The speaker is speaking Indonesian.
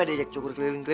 daya di blu